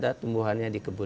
saya tahu tumbuhannya di kebun